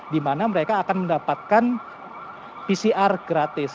di mana mereka akan mendapatkan pcr gratis